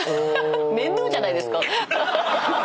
面倒じゃないですか？